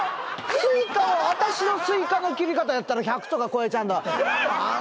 スイカを私のスイカの切り方をやったら１００とか超えちゃうんだから